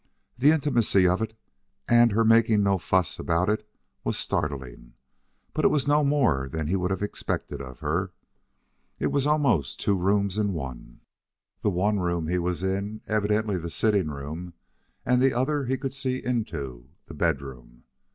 The intimacy of it and her making no fuss about it was startling, but it was no more than he would have expected of her. It was almost two rooms in one, the one he was in evidently the sitting room, and the one he could see into, the bedroom.